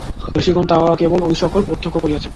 ঋষিগণ কেবল ঐ-সকল প্রত্যক্ষ করিয়াছেন।